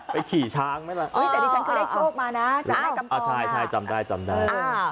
ไปขี่ช้างไหมละอุ้ยแต่นี่ฉันก็ได้โชคมานะจำได้จำได้จำได้